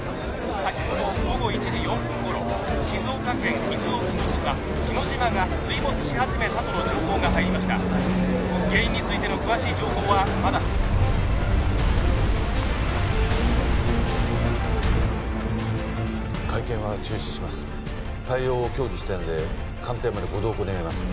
先ほど午後１時４分頃静岡県伊豆沖の島日之島が水没し始めたとの情報が入りました原因についての詳しい情報はまだ会見は中止します対応を協議したいので官邸までご同行願えますか？